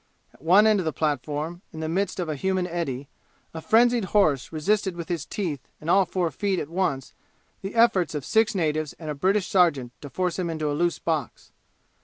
At one end of the platform, in the midst of a human eddy, a frenzied horse resisted with his teeth and all four feet at once the efforts of six natives and a British sergeant to force him into a loose box.